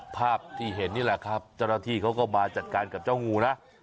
ภาพที่เห็นนี่แหละครับเจ้าหน้าที่เขาก็มาจัดการกับเจ้างูนะ